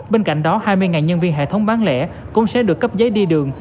bên cạnh đó hai mươi nhân viên hệ thống bán lẻ cũng sẽ được cấp giấy đi đường